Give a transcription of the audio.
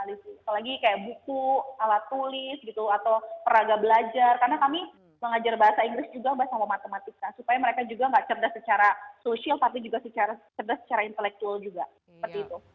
supaya mereka juga nggak cerdas secara sosial tapi juga cerdas secara intelektual juga